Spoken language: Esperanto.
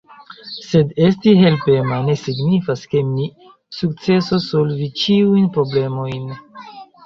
Sed esti helpema ne signifas, ke mi sukcesos solvi ĉiujn problemojn.